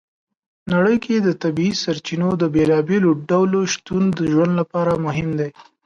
نړۍ کې د طبیعي سرچینو د بېلابېلو ډولو شتون د ژوند لپاره مهم دی.